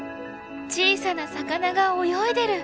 小さな魚が泳いでる！